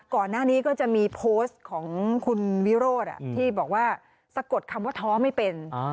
ก่อนหน้านี้ก็จะมีโพสต์ของคุณวิโรธที่บอกว่าสะกดคำว่าท้อไม่เป็น